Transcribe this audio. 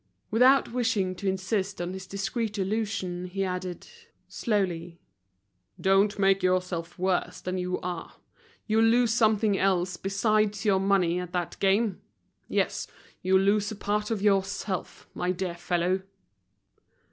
Without wishing to insist on his discreet allusion he added, slowly—"Don't make yourself worse than you are! You'll lose something else besides your money at that game. Yes, you'll lose a part of yourself, my dear fellow."